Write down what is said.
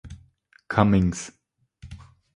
Cummings.